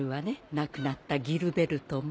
亡くなったギルベルトも。